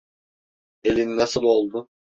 Elin nasıl oldu?